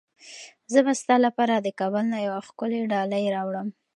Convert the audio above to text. زه به ستا لپاره د کابل نه یوه ښکلې ډالۍ راوړم.